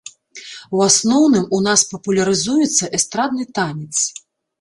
У асноўным, у нас папулярызуецца эстрадны танец.